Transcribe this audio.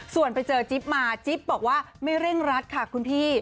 ส่วนไปเจอจิ๊บมาจิ๊บบอกว่าไม่เร่งรัดค่ะคุณพี่